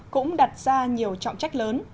cũng đặt ra nhiều trọng trách lớn